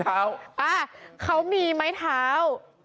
เขามีไม้เท้า